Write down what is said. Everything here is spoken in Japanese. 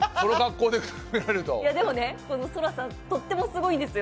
でも、ＳＯＲＡさんとてもすごいんですよ。